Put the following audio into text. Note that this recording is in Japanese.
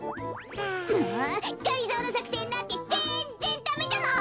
もうがりぞーのさくせんなんてぜんぜんダメじゃない！